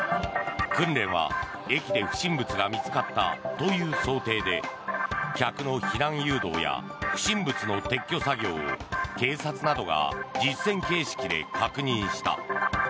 訓練は、駅で不審物が見つかったという想定で客の避難誘導や不審物の撤去作業を警察などが実践形式で確認した。